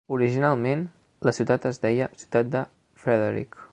Originalment la ciutat es deia "Ciutat de Frederick".